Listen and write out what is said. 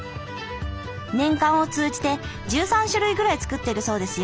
年間を通じて１３種類ぐらい作ってるそうですよ。